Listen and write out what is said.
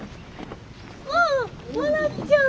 ああ真夏ちゃん。